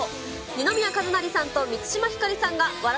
二宮和也さんと満島ひかりさんが笑